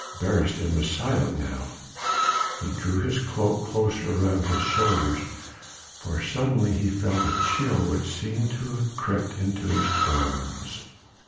Beresteyn was silent now. He drew his cloak closer round his shoulders, for suddenly he felt a chill which seemed to have crept into his bones.